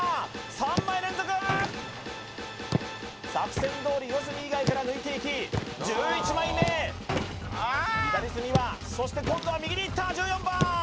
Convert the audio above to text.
３枚連続作戦どおり四隅以外から抜いていき１１枚目左隅はそして今度は右にいった１４番